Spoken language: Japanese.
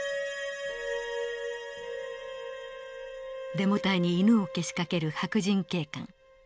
デモ隊に犬をけしかける白人警官。